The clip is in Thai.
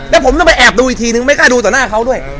แล้วผมต้องไปแอบดูอีกทีนึงไม่กล้าดูต่อหน้าเขาด้วย